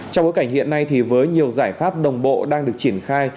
trong bối cảnh hiện nay với nhiều giải pháp đồng bộ đang được triển khai